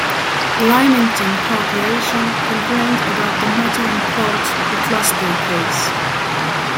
Lymington Corporation complained about the matter in court, but lost their case.